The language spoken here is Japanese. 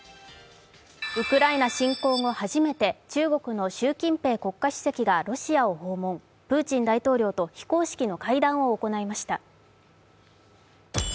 ウクライナ侵攻後初めて中国の習近平国家主席がロシアを訪問、プーチン大統領と非公式の会談を行いました。